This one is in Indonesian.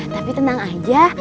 tapi tenang aja